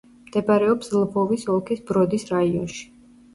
მდებარეობს ლვოვის ოლქის ბროდის რაიონში.